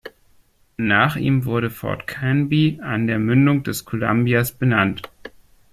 Nach ihm wurde Fort Canby an der Mündung des Columbias benannt.